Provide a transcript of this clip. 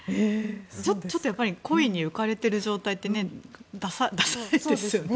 ちょっと恋に浮かれている状態ってダサいですよね。